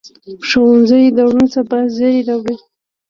ښوونځی د روڼ سبا زېری راوړي